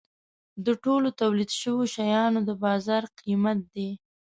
د ټولو تولید شوو شیانو د بازار قیمت دی.